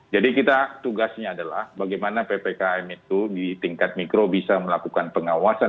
jadi kita tugasnya adalah bagaimana ppkm itu di tingkat mikro bisa melakukan pengawasan